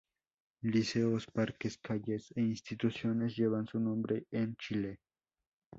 Liceos, parques, calles e instituciones llevan su nombre en Chile.